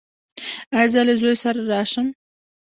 ایا زه له زوی سره راشم؟